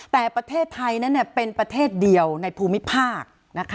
แต่ประเทศไทยนั้นเป็นประเทศเดียวในภูมิภาค